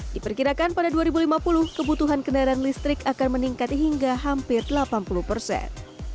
diperkirakan pada dua ribu lima puluh kebutuhan kendaraan listrik akan meningkat hingga hampir delapan puluh persen